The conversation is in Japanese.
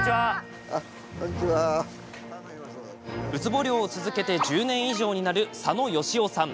ウツボ漁を続けて１０年以上になる佐野芳夫さん。